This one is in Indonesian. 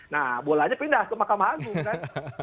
nah bolanya pindah ke mahkamah agung kan